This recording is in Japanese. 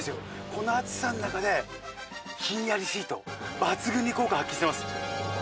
この暑さの中でひんやりシート抜群に効果発揮してます